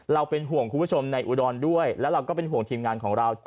เป็นห่วงคุณผู้ชมในอุดรด้วยแล้วเราก็เป็นห่วงทีมงานของเรา